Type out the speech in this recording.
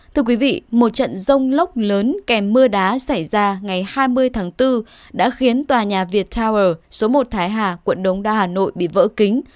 thưa quý vị một trận rông lốc lớn kèm mưa đá xảy ra ngày hai mươi tháng bốn đã khiến tòa nhà viettower số một thái hà quận đồng đà hà nội bị vỡ kính